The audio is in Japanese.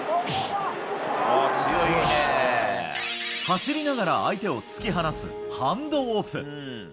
走りながら相手を突き放す、ハンドオフ。